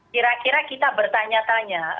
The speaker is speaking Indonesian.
kira kira kita bertanya tanya